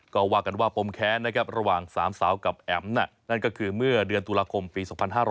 ก็ว่ากันว่าปมแค้นนะครับระหว่าง๓สาวกับแอ๋มนั่นก็คือเมื่อเดือนตุลาคมปี๒๕๕๙